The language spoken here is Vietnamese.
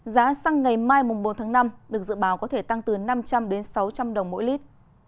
giá xăng ngày mai bốn tháng năm được dự báo có thể tăng từ năm trăm linh đến sáu trăm linh đồng mỗi lít